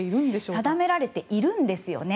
定められているんですよね。